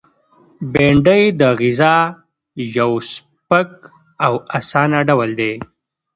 بېنډۍ د غذا یو سپک او آسانه ډول دی